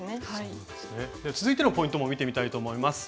続いてのポイントも見てみたいと思います。